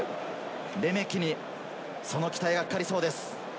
レメキにその期待がかかりそうです。